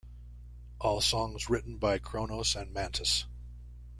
All songs written by Cronos and Mantas.